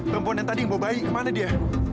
perempuan yang tadi yang membawa bayi kemana dia